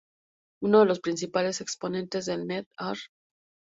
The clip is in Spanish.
Uno de los principales exponentes del Net.art.